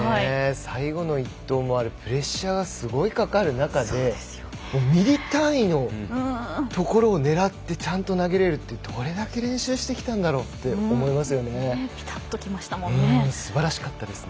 最後の１投、あれプレッシャーすごいかかる中でミリ単位のところを狙ってちゃんと投げられるってどれだけ練習してきたんだろうと思います。